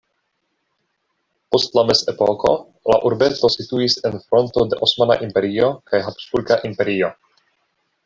Post la mezepoko la urbeto situis en fronto de Osmana Imperio kaj Habsburga Imperio.